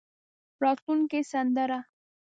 راتلونکې سندره.